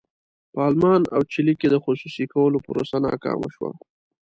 په المان او چیلي کې د خصوصي کولو پروسه ناکامه شوه.